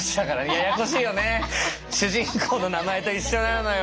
主人公の名前と一緒なのよ。